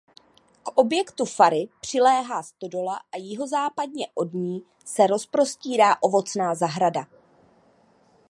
K objektu fary přiléhá stodola a jihozápadně od ní se rozprostírá ovocná zahrada.